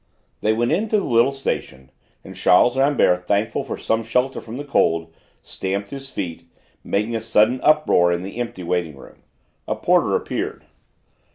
They went into the little station and Charles Rambert, thankful for some shelter from the cold, stamped his feet, making a sudden uproar in the empty waiting room. A porter appeared.